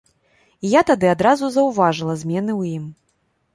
І я тады адразу заўважыла змены ў ім.